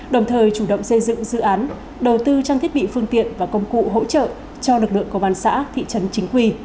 đồng thời chủ động xây dựng dự án đầu tư trang thiết bị phương tiện và công cụ hỗ trợ cho lực lượng công an xã thị trấn chính quy